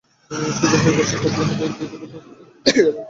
সোজা হয়ে বসে কবজি যাতে কিবোর্ড বরাবর থাকে, এদিকে খেয়াল রাখতে হবে।